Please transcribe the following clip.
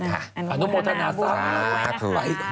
ถูกวันนี้